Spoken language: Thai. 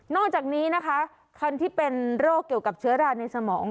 จากนี้นะคะคนที่เป็นโรคเกี่ยวกับเชื้อราในสมอง